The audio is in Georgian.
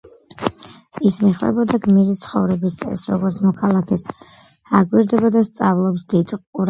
ის მიჰყვება გმირის ცხოვრების წესს, როგორც მოქალაქეს, აკვირდება და სწავლობს დიდი ყურადღებით.